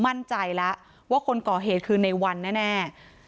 มั่นใจแล้วว่าคนก่อเหตุคือในวันแน่